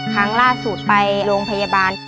ทั้งล่าสูตรไปโรงพยาบาล